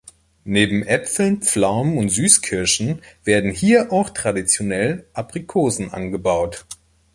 Neben Äpfeln, Pflaumen und Süßkirschen werden hier auch traditionell Aprikosen angebaut.